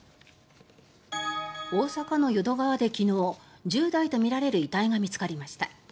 大阪の淀川で昨日、１０代とみられる遺体が見つかりました。